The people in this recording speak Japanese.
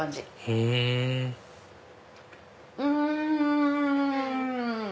へぇうん！